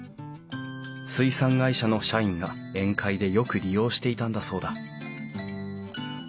水産会社の社員が宴会でよく利用していたんだそうだ。